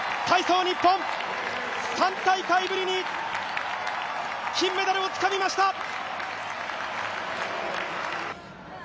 ３大会ぶりに金メダルをつかみました。